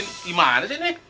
dimana sih ini